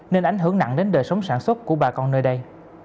nên ảnh hưởng nặng đến đời sống sản xuất của bà con nơi đây